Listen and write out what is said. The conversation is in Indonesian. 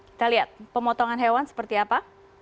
kita lihat pemotongan hewan seperti apa